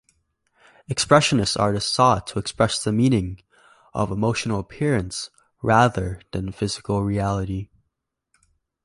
Expressionist artists sought to express the meaning of emotional experience rather than physical reality.